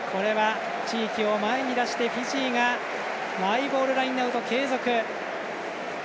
地域を前に出してフィジーがマイボールラインアウト継続。